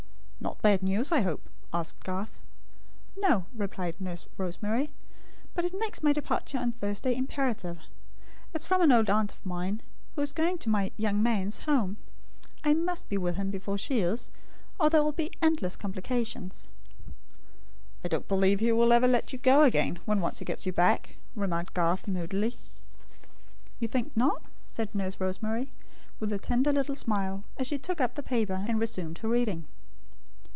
"Not bad news, I hope?" asked Garth. "No," replied Nurse Rosemary; "but it makes my departure on Thursday imperative. It is from an old aunt of mine, who is going to my 'young man's' home. I must be with him before she is, or there will be endless complications." "I don't believe he will ever let you go again, when once he gets you back," remarked Garth, moodily. "You think not?" said Nurse Rosemary, with a tender little smile, as she took up the paper, and resumed her reading.